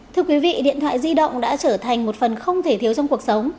thưa quý vị điện thoại di động đã trở thành một phần không thể thiếu trong cuộc sống